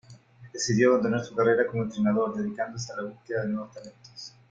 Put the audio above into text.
Decidió abandonar su carrera como entrenador, dedicándose a la búsqueda de nuevos talentos.